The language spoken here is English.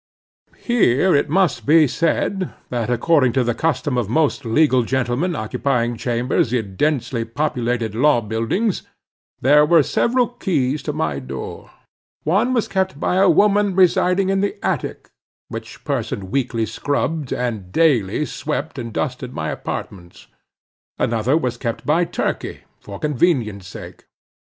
Here it must be said, that according to the custom of most legal gentlemen occupying chambers in densely populated law buildings, there were several keys to my door. One was kept by a woman residing in the attic, which person weekly scrubbed and daily swept and dusted my apartments. Another was kept by Turkey for convenience sake.